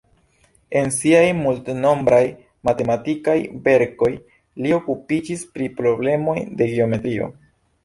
En siaj multnombraj matematikaj verkoj li okupiĝis pri problemoj de geometrio.